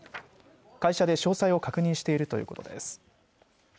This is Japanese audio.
会社で詳細を確認しているということです。